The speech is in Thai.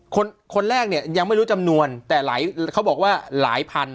คนคนแรกเนี่ยยังไม่รู้จำนวนแต่หลายเขาบอกว่าหลายพัน